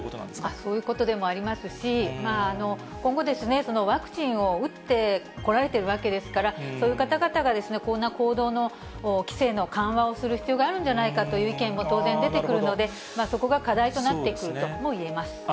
そういうことでもありますし、今後、ワクチンを打って来られているわけですから、そういう方々がこんな行動の規制の緩和をする必要があるんじゃないかという議論も当然出てくるので、そこが課題となってくるともいえます。